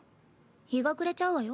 日が暮れちゃうわよ。